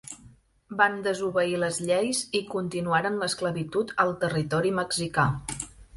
Van desobeir les lleis i continuaren l'esclavitud al territori mexicà.